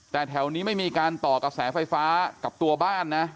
แต่แถวนี้ไม่มีการต่อกระแสไฟฟ้ากับตัวบ้านนะ